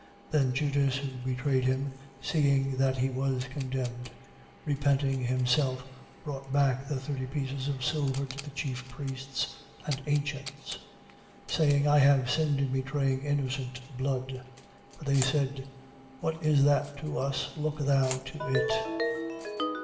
27:3. Then Judas, who betrayed him, seeing that he was condemned, repenting himself, brought back the thirty pieces of silver to the chief priests and ancients, 27:4. Saying: I have sinned in betraying innocent blood. But they said: What is that to us? Look thou to it.